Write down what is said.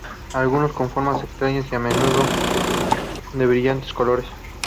Algunos con formas extrañas y a menudo de brillantes colores.